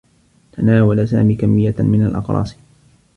تناول سامي كمّيّة من الأقراص.